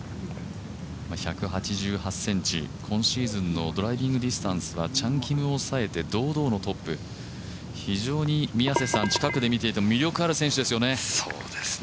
１８８ｃｍ、今シーズンのドライビングディスタンスはチャン・キムを抑えて堂々のトップ非常に宮瀬さん、近くで見ていても魅力のある選手ですよね。